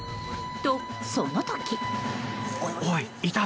と、その時。